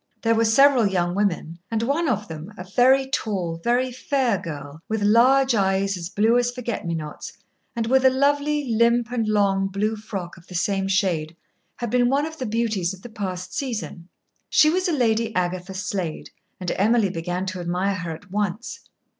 There were several young women, and one of them a very tall, very fair girl, with large eyes as blue as forget me nots, and with a lovely, limp, and long blue frock of the same shade had been one of the beauties of the past season. She was a Lady Agatha Slade, and Emily began to admire her at once.